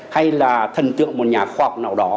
hay là thần tượng một nhà khoa học nào đó